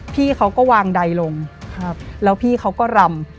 พี่เขาก็วางใดลงแล้วพี่เขาก็รำ